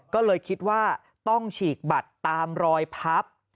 ก็เลยคิดว่าต้องฉีกบัตรตามรอยพับ